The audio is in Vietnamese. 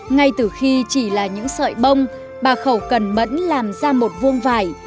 ngay từ khi chỉ là những sợi bông bà khẩu cần mẫn làm ra một vuông vải